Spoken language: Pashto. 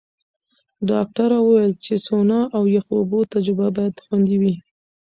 ډاکټره وویل چې سونا او یخو اوبو تجربه باید خوندي وي.